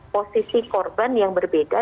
posisi korban yang berbeda